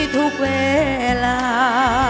ทุกเวลา